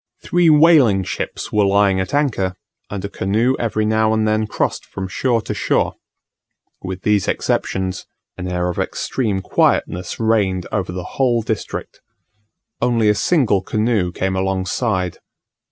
Three whaling ships were lying at anchor, and a canoe every now and then crossed from shore to shore; with these exceptions, an air of extreme quietness reigned over the whole district. Only a single canoe came alongside.